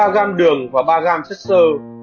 hai ba g đường và ba g chất sơ